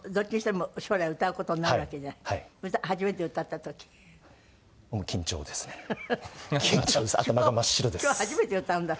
今日初めて歌うんだって？